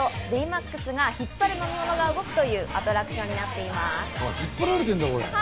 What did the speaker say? ベイマックスが引っ張る車が動くというアトラクションになっています。